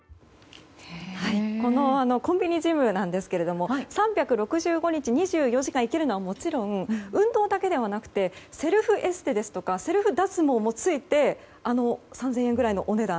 このコンビニジムですが３６５日２４時間行けるのはもちろん運動だけではなくてセルフエステとかセルフ脱毛もついて３０００ぐらいのお値段。